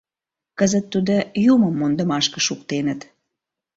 Кызыт тудо юмым мондымашке шуктеныт.